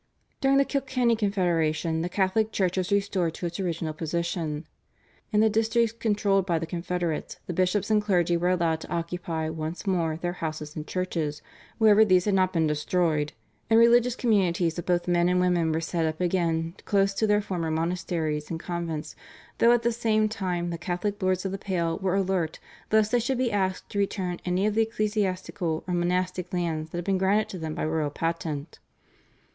During the Kilkenny Confederation the Catholic Church was restored to its original position. In the districts controlled by the Confederates the bishops and clergy were allowed to occupy once more their houses and churches wherever these had not been destroyed, and religious communities of both men and women were set up again close to their former monasteries and convents, though at the same time the Catholic Lords of the Pale were alert lest they should be asked to return any of the ecclesiastical or monastic lands that had been granted to them by royal patent.